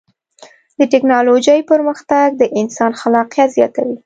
د ټکنالوجۍ پرمختګ د انسان خلاقیت زیاتوي.